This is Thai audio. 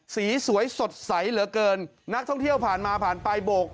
สวยสดใสเหลือเกินนักท่องเที่ยวผ่านมาผ่านไปโบก